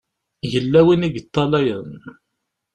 Yella win i yeṭṭalayen.